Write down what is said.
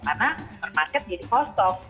karena per market jadi kosong